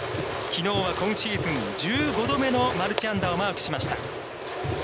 きのうは今シーズン１５度目のマルチ安打をマークしました。